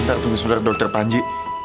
eh eh tunggu sebentar dokter panji